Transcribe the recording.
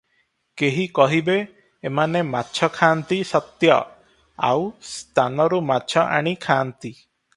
କେହି କହିବେ, ଏମାନେ ମାଛଖାଆନ୍ତି ସତ୍ୟ, ଆଉ ସ୍ଥାନରୁ ମାଛ ଆଣି ଖାଆନ୍ତି ।